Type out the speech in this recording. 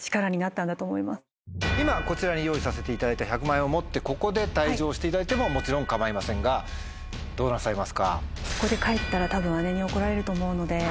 今こちらに用意させていただいた１００万円を持ってここで退場していただいてももちろん構いませんがどうなさいますか？